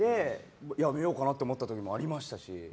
やめようかなと思った時ありました。